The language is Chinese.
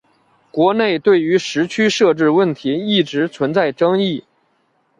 国内对于时区设置问题一直存在争议。